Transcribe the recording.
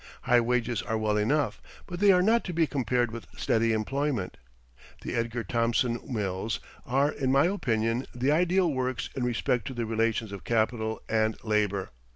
High wages are well enough, but they are not to be compared with steady employment. The Edgar Thomson Mills are, in my opinion, the ideal works in respect to the relations of capital and labor.